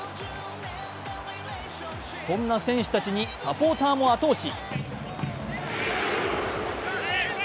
そんな選手たちにサポーターも後押し。